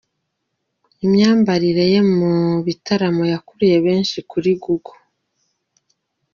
Imyambarire ye mu bitaramo, yakuruye benshi kuru Google.